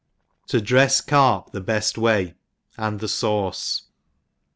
To drefs C A R p the beji way^ and the fauce.